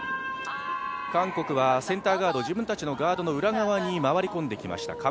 韓国はセンターガード、自分たちのガードの裏側に回り込んできました。